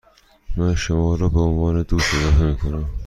من شما را به عنوان دوست اضافه می کنم.